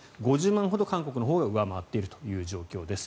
５０万円ほど韓国のほうが上回っているという状況です。